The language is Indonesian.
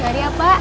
ya ya pak